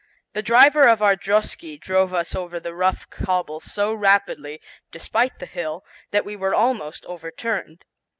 The driver of our drosky drove us over the rough cobbles so rapidly, despite the hill, that we were almost overturned.